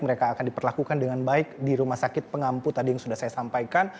mereka akan diperlakukan dengan baik di rumah sakit pengampu tadi yang sudah saya sampaikan